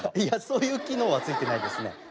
いやそういう機能はついてないですね。